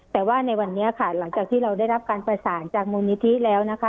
แต่ว่าในวันนี้ค่ะหลังจากที่เราได้รับการประสานจากมูลนิธิแล้วนะคะ